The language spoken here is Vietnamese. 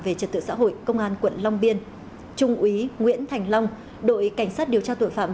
về trật tự xã hội công an quận long biên trung úy nguyễn thành long đội cảnh sát điều tra tội phạm